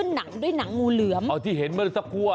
อ๋อเหรอ